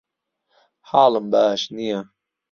حاڵم باش نییە.